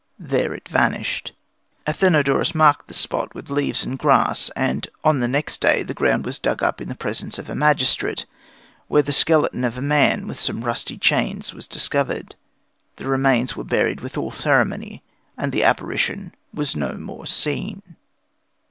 There it vanished. Athenodorus marked the spot with leaves and grass, and on the next day the ground was dug up in the presence of a magistrate, when the skeleton of a man with some rusty chains was discovered. The remains were buried with all ceremony, and the apparition was no more seen.